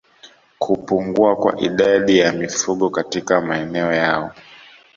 Kupungua kwa idadi ya mifugo katika maeneo yao